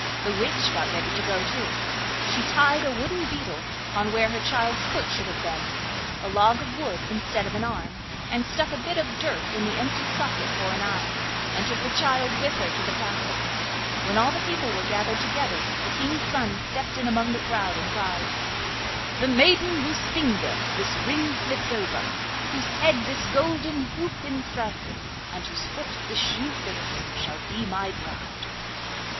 The witch got ready to go too. She tied a wooden beetle on where her child's foot should have been, a log of wood instead of an arm, and stuck a bit of dirt in the empty socket for an eye, and took the child with her to the castle. When all the people were gathered together, the King's son stepped in among the crowd and cried: 'The maiden whose finger this ring slips over, whose head this golden hoop encircles, and whose foot this shoe fits, shall be my bride.